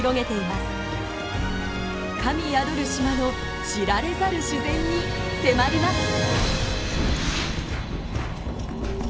神宿る島の知られざる自然に迫ります。